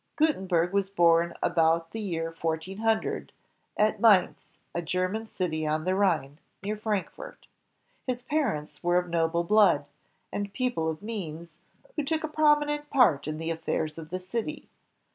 Gutenberg was born about the year 1400, at Mainz, a German city on the Rhine, near Frankfort. His parents were of noble blood, and people of means, who took a prominent part in the affairs of the city.